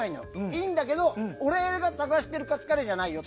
いいんだけど俺が探しているカツカレーじゃないよ。